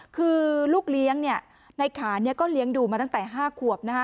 คือลูกเลี้ยงในขานก็เลี้ยงดูมาตั้งแต่๕ขวบ